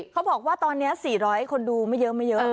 เขาบอกว่าตอนนี้สี่ร้อยคนดูไม่เยอะ